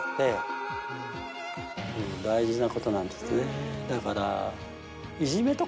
大事なことなんですねだから。